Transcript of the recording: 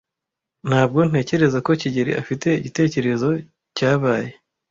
Ntabwo ntekereza ko kigeli afite igitekerezo cyabaye.